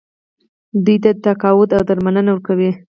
دوی ته تقاعد او درملنه ورکوي.